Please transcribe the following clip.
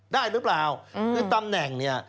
ได้หรือเปล่าคือตำแหน่งเนี่ย